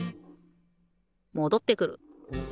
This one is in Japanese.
もどってくる。